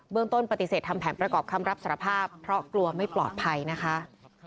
ต้นปฏิเสธทำแผนประกอบคำรับสารภาพเพราะกลัวไม่ปลอดภัยนะคะ